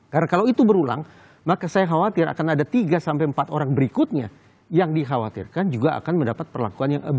karena kalau itu berulang maka saya khawatir akan ada tiga sampai empat orang berikutnya yang dikhawatirkan juga akan mendapat perlakuan yang abusive